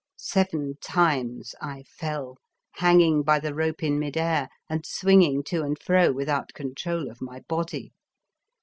Seven times I fell, hanging by the rope in mid air and swinging to and fro without control of my body.